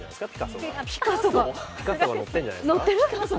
ピカソが乗ってるんじゃないですか？